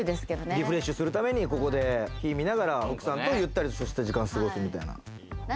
リフレッシュするためにここで火を見ながら、奥さんとゆったり時間を過ごすみたいな。